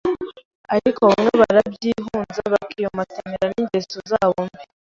ariko bamwe barabyihunza, bakiyomatanira n’ingeso zabo mbi.